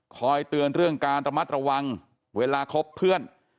เตือนเรื่องการระมัดระวังเวลาคบเพื่อน